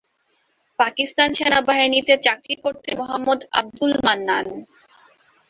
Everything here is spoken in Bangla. পাকিস্তান সেনাবাহিনীতে চাকরি করতেন মোহাম্মদ আবদুল মান্নান।